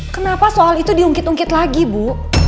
kenapa soal itu diungkit ungkit lagi bu